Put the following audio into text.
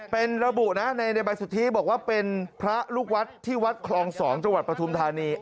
เป็นระบุนะในใบสุทธิบอกว่าเป็นพระลูกวัดที่วัดคลอง๒จังหวัดปฐุมธานี